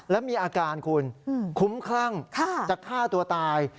แล้วมีอาการคุณคุ้มคลั่งจะฆ่าตัวตาย